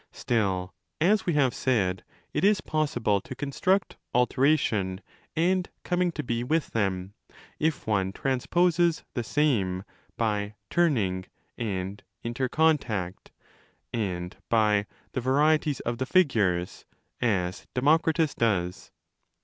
Still, as we have said, it is possible to construct ' alteration' 35 and coming to be with them, if one 'transposes' the same 316° by ' turning' and 'intercontact', and by ' the varieties of the figures', as Demokritos does.